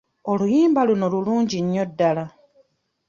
Oluyimba luno lulungi nnyo ddala.